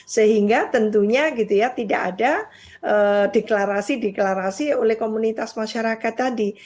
sehingga tentunya gitu ya tidak ada deklarasi deklarasi oleh komunitas masyarakat tadi